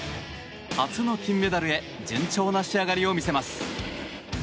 初の金メダルへ順調な仕上がりを見せます。